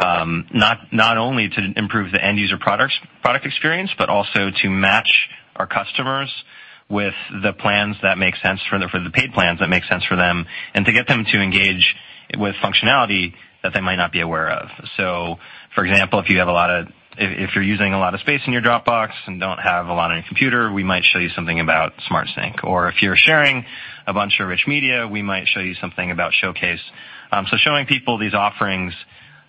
not only to improve the end-user product experience, but also to match our customers with the paid plans that make sense for them, and to get them to engage with functionality that they might not be aware of. For example, if you're using a lot of space in your Dropbox and don't have a lot on your computer, we might show you something about Smart Sync. If you're sharing a bunch of rich media, we might show you something about Showcase. Showing people these offerings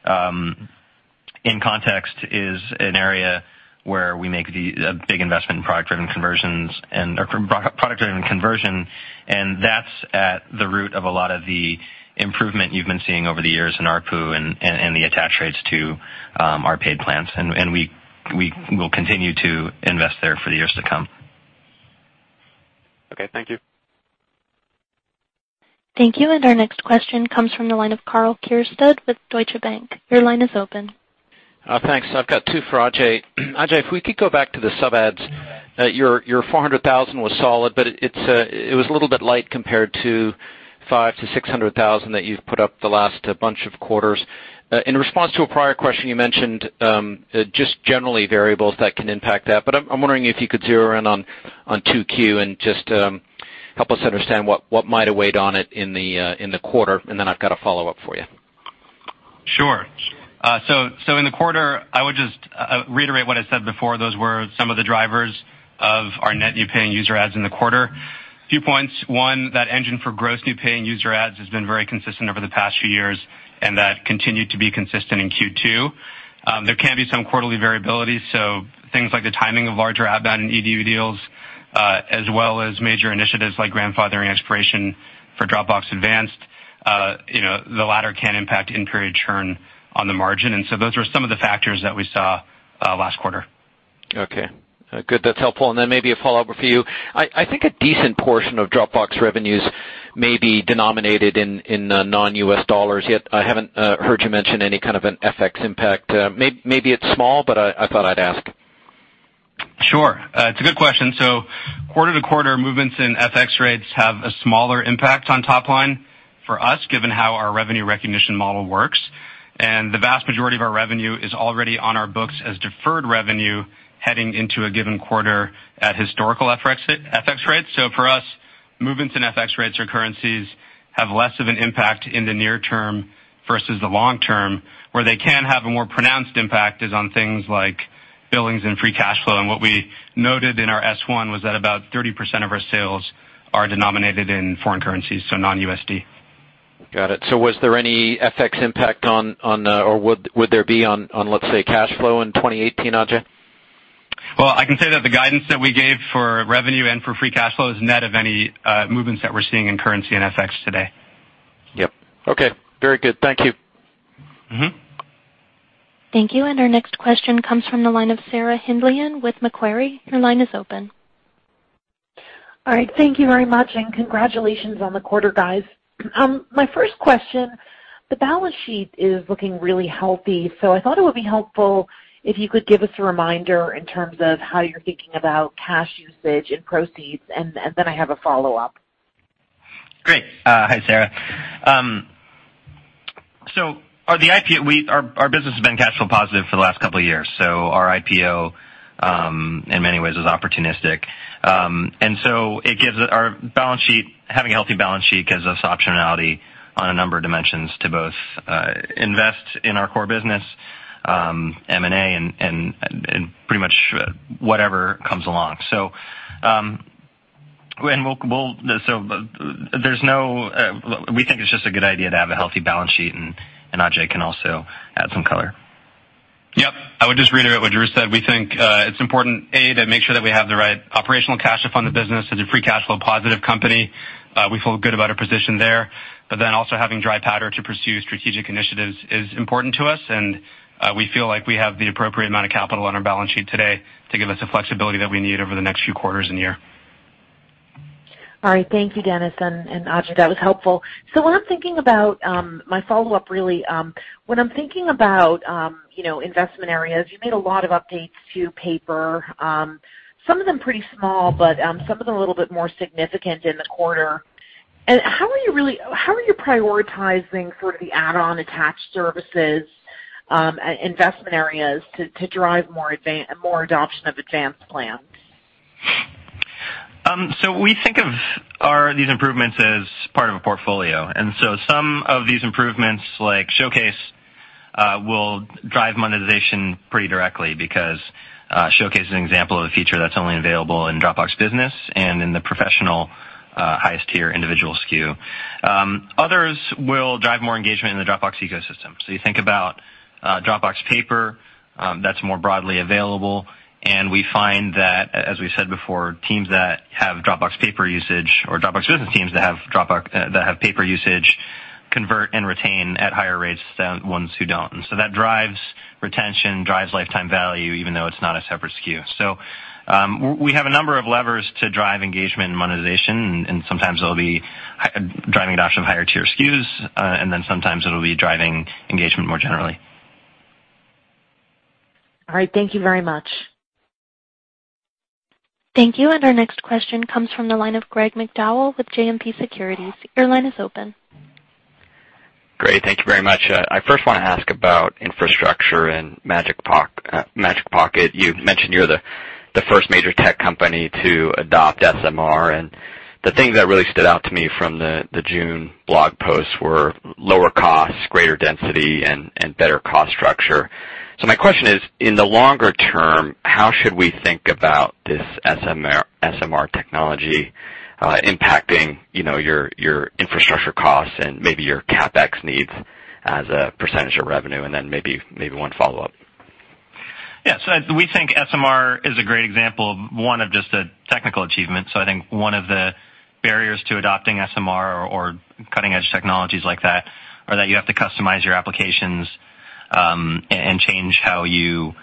in context is an area where we make a big investment in product-driven conversion, and that's at the root of a lot of the improvement you've been seeing over the years in ARPU and the attach rates to our paid plans. We will continue to invest there for the years to come. Okay, thank you. Thank you. Our next question comes from the line of Karl Keirstead with Deutsche Bank. Your line is open. Thanks. I've got two for Ajay. Ajay, if we could go back to the sub-adds. Your 400,000 was solid, but it was a little bit light compared to 500,000-600,000 that you've put up the last bunch of quarters. In response to a prior question you mentioned, just generally variables that can impact that, but I'm wondering if you could zero in on 2Q and just help us understand what might have weighed on it in the quarter, and then I've got a follow-up for you. Sure. In the quarter, I would just reiterate what I said before. Those were some of the drivers of our net new paying user adds in the quarter. A few points. One, that engine for gross new paying user adds has been very consistent over the past few years, and that continued to be consistent in Q2. There can be some quarterly variability, so things like the timing of larger add-on and EDU deals, as well as major initiatives like grandfathering expiration for Dropbox Advanced, the latter can impact in-period churn on the margin. Those are some of the factors that we saw last quarter. Okay. Good. That's helpful. Then maybe a follow-up for you. I think a decent portion of Dropbox revenues may be denominated in non-U.S. dollars, yet I haven't heard you mention any kind of an FX impact. Maybe it's small, but I thought I'd ask. Sure. It's a good question. Quarter-to-quarter movements in FX rates have a smaller impact on top line for us, given how our revenue recognition model works. The vast majority of our revenue is already on our books as deferred revenue heading into a given quarter at historical FX rates. For us Movements in FX rates or currencies have less of an impact in the near term versus the long term. Where they can have a more pronounced impact is on things like billings and free cash flow. What we noted in our S1 was that about 30% of our sales are denominated in foreign currencies, so non-USD. Got it. Was there any FX impact, or would there be on, let's say, cash flow in 2018, Ajay? Well, I can say that the guidance that we gave for revenue and for free cash flow is net of any movements that we're seeing in currency and FX today. Yep. Okay. Very good. Thank you. Thank you. Our next question comes from the line of Sarah Hindlian with Macquarie. Your line is open. All right. Thank you very much, and congratulations on the quarter, guys. My first question, the balance sheet is looking really healthy, so I thought it would be helpful if you could give us a reminder in terms of how you're thinking about cash usage and proceeds, and then I have a follow-up. Great. Hi, Sarah. Our business has been cash flow positive for the last couple of years, our IPO, in many ways, was opportunistic. Having a healthy balance sheet gives us optionality on a number of dimensions to both invest in our core business, M&A, and pretty much whatever comes along. We think it's just a good idea to have a healthy balance sheet, and Ajay can also add some color. Yep. I would just reiterate what Drew said. We think it's important, A, to make sure that we have the right operational cash to fund the business as a free cash flow positive company. We feel good about our position there. Also having dry powder to pursue strategic initiatives is important to us, and we feel like we have the appropriate amount of capital on our balance sheet today to give us the flexibility that we need over the next few quarters and year. All right. Thank you, Dennis and Ajay. That was helpful. My follow-up, really, when I'm thinking about investment areas, you made a lot of updates to Paper, some of them pretty small, but some of them a little bit more significant in the quarter. How are you prioritizing sort of the add-on attached services, investment areas to drive more adoption of advanced plans? We think of these improvements as part of a portfolio, some of these improvements, like Showcase, will drive monetization pretty directly because Showcase is an example of a feature that's only available in Dropbox Business and in the professional highest tier individual SKU. Others will drive more engagement in the Dropbox ecosystem. You think about Dropbox Paper, that's more broadly available, and we find that, as we said before, teams that have Dropbox Paper usage or Dropbox Business teams that have Paper usage convert and retain at higher rates than ones who don't. That drives retention, drives lifetime value, even though it's not a separate SKU. We have a number of levers to drive engagement and monetization, and sometimes it'll be driving adoption of higher tier SKUs, sometimes it'll be driving engagement more generally. All right. Thank you very much. Thank you. Our next question comes from the line of Greg McDowell with JMP Securities. Your line is open. Great. Thank you very much. I first want to ask about infrastructure and Magic Pocket. You mentioned you're the first major tech company to adopt SMR, the things that really stood out to me from the June blog posts were lower costs, greater density, and better cost structure. My question is, in the longer term, how should we think about this SMR technology impacting your infrastructure costs and maybe your CapEx needs as a percentage of revenue? Then maybe one follow-up. Yeah. We think SMR is a great example of one of just a technical achievement. I think one of the barriers to adopting SMR or cutting-edge technologies like that are that you have to customize your applications, and change a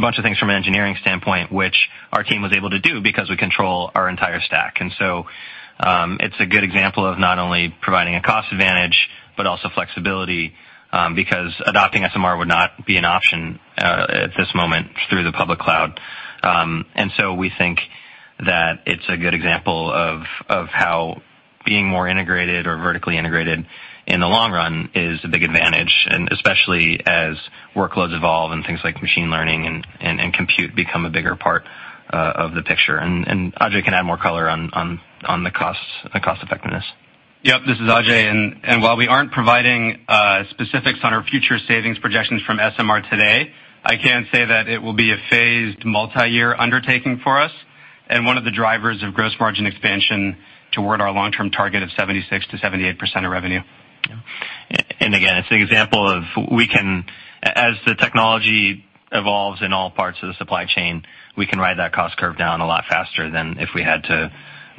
bunch of things from an engineering standpoint, which our team was able to do because we control our entire stack. It's a good example of not only providing a cost advantage, but also flexibility, because adopting SMR would not be an option at this moment through the public cloud. We think that it's a good example of how being more integrated or vertically integrated in the long run is a big advantage, especially as workloads evolve and things like machine learning and compute become a bigger part of the picture. Ajay can add more color on the cost effectiveness. Yep. This is Ajay. While we aren't providing specifics on our future savings projections from SMR today, I can say that it will be a phased multi-year undertaking for us and one of the drivers of gross margin expansion toward our long-term target of 76%-78% of revenue. Yeah. Again, it's an example of, as the technology evolves in all parts of the supply chain, we can ride that cost curve down a lot faster than if we had to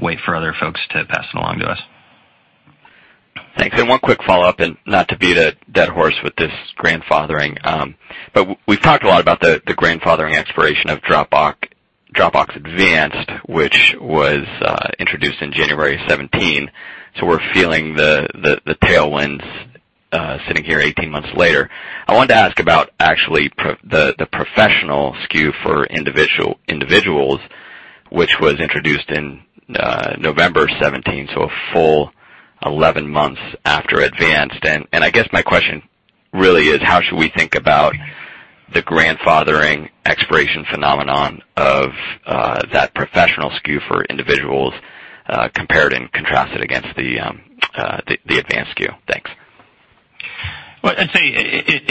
wait for other folks to pass it along to us. Thanks. One quick follow-up, not to beat a dead horse with this grandfathering, we've talked a lot about the grandfathering expiration of Dropbox Advanced, which was introduced in January of 2017. We're feeling the tailwinds sitting here 18 months later. I wanted to ask about actually the professional SKU for individuals, which was introduced in November 2017, a full 11 months after Advanced. I guess my question Really is how should we think about the grandfathering expiration phenomenon of that professional SKU for individuals, compared and contrasted against the advanced SKU? Thanks. Well, I'd say,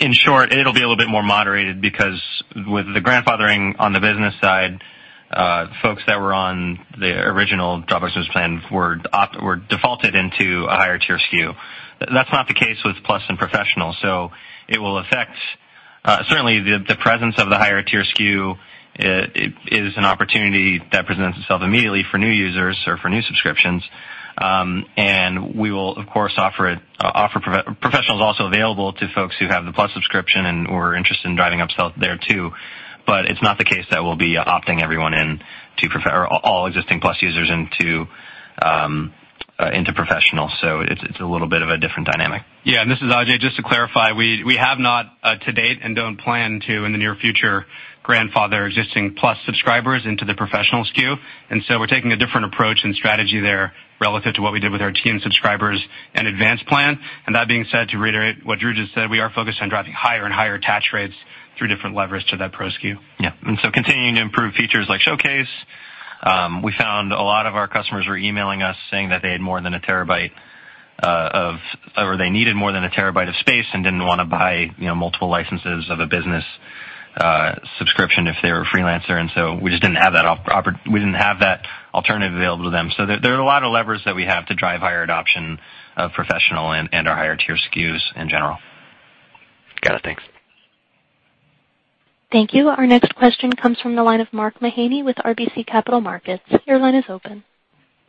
in short, it'll be a little bit more moderated because with the grandfathering on the business side, folks that were on the original Dropbox Business plan were defaulted into a higher tier SKU. That's not the case with Plus and Professional. It will affect, certainly the presence of the higher tier SKU is an opportunity that presents itself immediately for new users or for new subscriptions. We will, of course, offer it, Professional is also available to folks who have the Plus subscription and who are interested in driving up sales there too. It's not the case that we'll be opting everyone in, or all existing Plus users into Professional. It's a little bit of a different dynamic. This is Ajay. Just to clarify, we have not to date and don't plan to in the near future, grandfather existing Plus subscribers into the Professional SKU. We're taking a different approach and strategy there relative to what we did with our team subscribers and Advanced plan. That being said, to reiterate what Drew just said, we are focused on driving higher and higher attach rates through different levers to that Pro SKU. Continuing to improve features like Showcase. We found a lot of our customers were emailing us saying that they had more than one terabyte, or they needed more than one terabyte of space and didn't want to buy multiple licenses of a Business subscription if they were a freelancer. We just didn't have that alternative available to them. There are a lot of levers that we have to drive higher adoption of Professional and our higher tier SKUs in general. Got it. Thanks. Thank you. Our next question comes from the line of Mark Mahaney with RBC Capital Markets. Your line is open.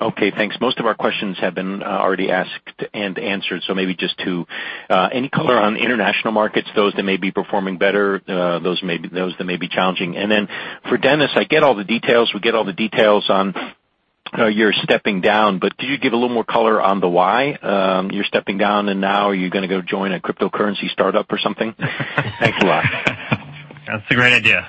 Okay, thanks. Most of our questions have been already asked and answered, maybe just two. Any color on international markets, those that may be performing better, those that may be challenging. For Dennis, I get all the details. We get all the details on your stepping down, could you give a little more color on the why you're stepping down, and now are you going to go join a cryptocurrency startup or something? Thanks a lot. That's a great idea.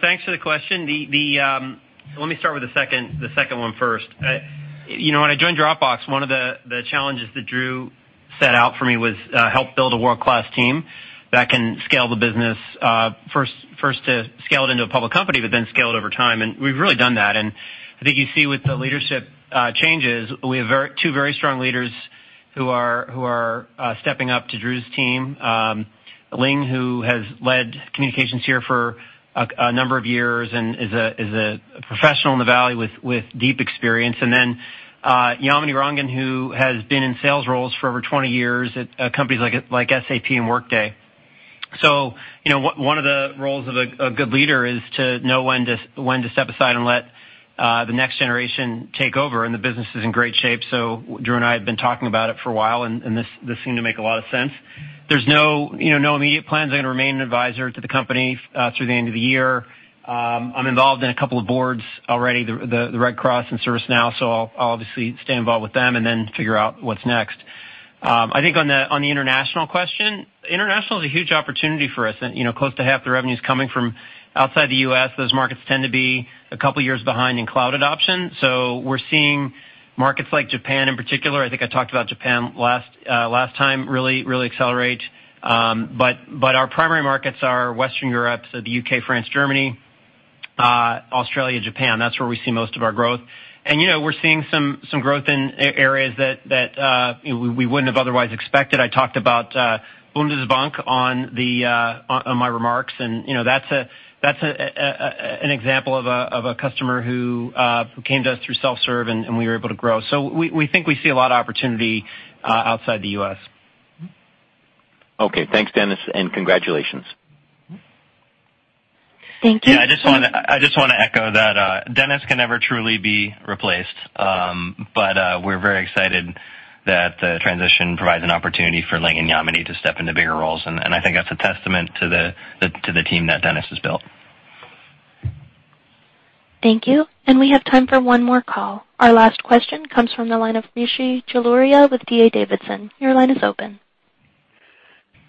Thanks for the question. Let me start with the second one first. When I joined Dropbox, one of the challenges that Drew set out for me was help build a world-class team that can scale the business, first to scale it into a public company, but then scale it over time, and we've really done that. I think you see with the leadership changes, we have two very strong leaders who are stepping up to Drew's team. Ling, who has led communications here for a number of years and is a professional in the valley with deep experience. Yamini Rangan, who has been in sales roles for over 20 years at companies like SAP and Workday. One of the roles of a good leader is to know when to step aside and let the next generation take over, and the business is in great shape. Drew and I have been talking about it for a while, and this seemed to make a lot of sense. There's no immediate plans. I'm going to remain an advisor to the company through the end of the year. I'm involved in a couple of boards already, the Red Cross and ServiceNow, so I'll obviously stay involved with them and then figure out what's next. I think on the international question, international is a huge opportunity for us, and close to half the revenue's coming from outside the U.S. Those markets tend to be a couple of years behind in cloud adoption. We're seeing markets like Japan in particular, I think I talked about Japan last time, really accelerate. Our primary markets are Western Europe, the U.K., France, Germany, Australia, Japan. That's where we see most of our growth. We're seeing some growth in areas that we wouldn't have otherwise expected. I talked about Bundesbank on my remarks, and that's an example of a customer who came to us through self-serve, and we were able to grow. We think we see a lot of opportunity outside the U.S. Okay. Thanks, Dennis, and congratulations. Thank you. Yeah, I just want to echo that Dennis can never truly be replaced, we're very excited that the transition provides an opportunity for Ling and Yamini to step into bigger roles. I think that's a testament to the team that Dennis has built. Thank you. We have time for one more call. Our last question comes from the line of Rishi Jaluria with D.A. Davidson. Your line is open.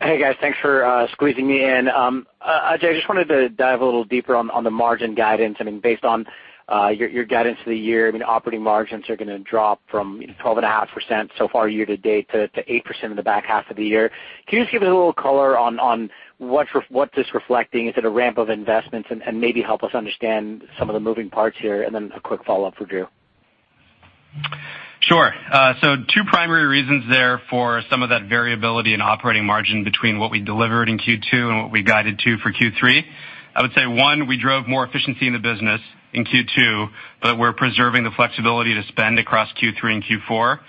Hey, guys. Thanks for squeezing me in. Ajay, I just wanted to dive a little deeper on the margin guidance. Based on your guidance for the year, operating margins are going to drop from 12.5% so far year to date to 8% in the back half of the year. Can you just give us a little color on what this reflecting? Is it a ramp of investments? Maybe help us understand some of the moving parts here. Then a quick follow-up for Drew. Sure. Two primary reasons there for some of that variability in operating margin between what we delivered in Q2 and what we guided to for Q3. I would say, one, we drove more efficiency in the business in Q2, but we're preserving the flexibility to spend across Q3 and Q4.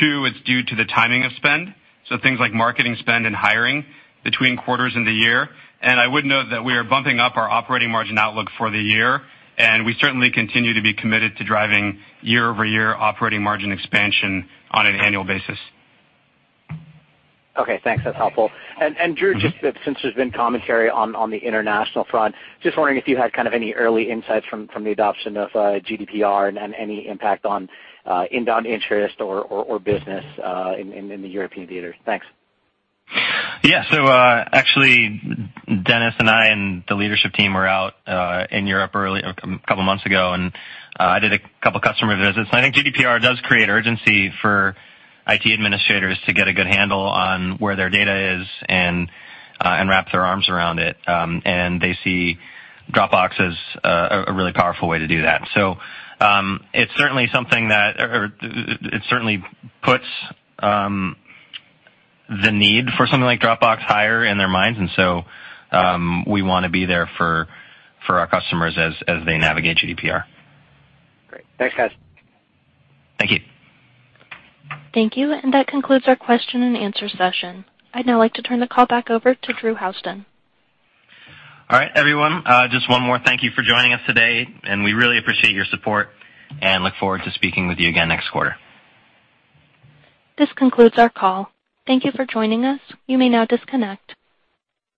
Two, it's due to the timing of spend, so things like marketing spend and hiring between quarters in the year. I would note that we are bumping up our operating margin outlook for the year, and we certainly continue to be committed to driving year-over-year operating margin expansion on an annual basis. Okay, thanks. That's helpful. Drew, just since there's been commentary on the international front, just wondering if you had kind of any early insights from the adoption of GDPR and any impact on inbound interest or business in the European theater. Thanks. Actually, Dennis and I and the leadership team were out in Europe a couple of months ago, I did a couple of customer visits. I think GDPR does create urgency for IT administrators to get a good handle on where their data is and wrap their arms around it. They see Dropbox as a really powerful way to do that. It certainly puts the need for something like Dropbox higher in their minds, we want to be there for our customers as they navigate GDPR. Great. Thanks, guys. Thank you. Thank you. That concludes our question and answer session. I'd now like to turn the call back over to Drew Houston. All right, everyone. Just one more thank you for joining us today, and we really appreciate your support and look forward to speaking with you again next quarter. This concludes our call. Thank you for joining us. You may now disconnect.